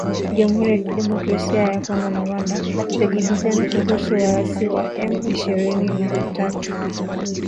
Jamuhuri ya Demokrasia ya Kongo na Rwanda zajibizana kuhusu waasi wa M ishirini na tatu